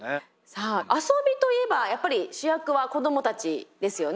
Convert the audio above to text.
さあ遊びといえばやっぱり主役は子どもたちですよね。